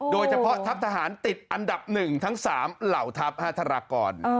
โดยเฉพาะทัพทหารติดอันดับ๑ทั้ง๓เหล่าทัพ๕ธรากร